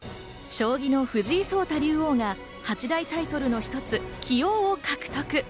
将棋の藤井聡太竜王が八大タイトルの一つ、棋王を獲得。